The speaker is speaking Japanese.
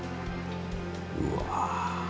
うわ。